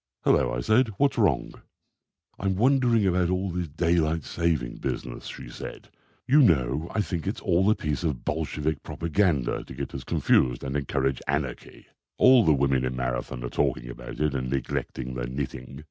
"Hullo," I said; "what's wrong?" "I'm wondering about this daylight saving business," she said. "You know, I think it's all a piece of Bolshevik propaganda to get us confused and encourage anarchy. All the women in Marathon are talking about it and neglecting their knitting.